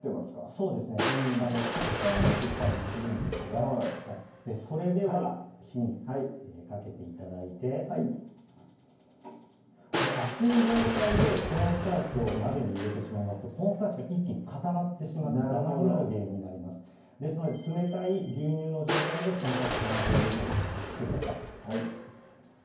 そうですね食感をよくしたりするんですがそれでは火にかけて頂いてはいこれ熱い状態でコーンスターチを鍋に入れてしまいますとコーンスターチが一気に固まってしまってだまになる原因になりますですので冷たい牛乳の状態でコーンスターチは必ず入れるようにしてください